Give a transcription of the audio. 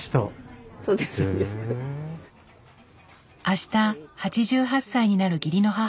あした８８歳になる義理の母。